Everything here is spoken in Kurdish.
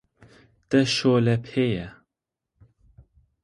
Te şole pê ye